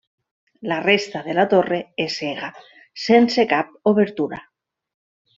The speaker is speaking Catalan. La resta de la torre és cega, sense cap obertura.